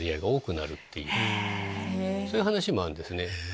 そういう話もあるんですね。